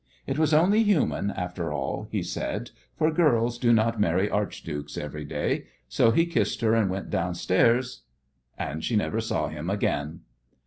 It was only human, after all, he said, for girls do not marry archdukes every day, so he kissed her and went downstairs, and she never saw him again.